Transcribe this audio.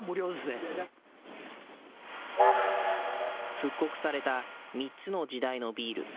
復刻された３つの時代のビール。